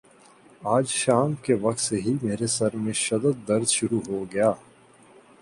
آج شام کے وقت سے ہی میرے سر میں شدد درد شروع ہو گیا